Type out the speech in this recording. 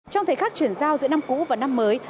trong thời khắc chuyển giao giữa năm cũ và năm mới